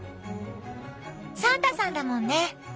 サンタさんだもんね。